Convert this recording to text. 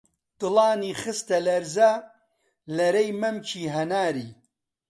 دڵانی خستە لەرزە، لەرەی مەمکی هەناری